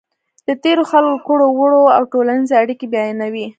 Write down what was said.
د تېرو خلکو کړو وړه او ټولنیزې اړیکې بیانوي.